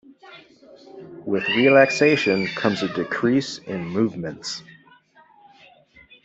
With relaxation comes a decrease in movements.